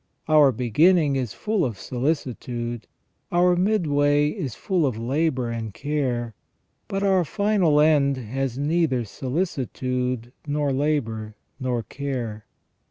Our beginning is full of solicitude, our midway is full of labour and care, but our final end has neither sohcitude, nor labour, nor care.